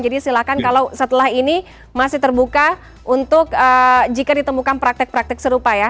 jadi silakan kalau setelah ini masih terbuka untuk jika ditemukan praktek praktek serupa ya